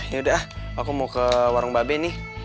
yaudah aku mau ke warung mba benny